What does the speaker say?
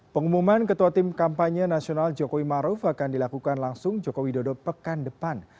pengumuman ketua tim kampanye nasional jokowi maruf akan dilakukan langsung jokowi dodo pekan depan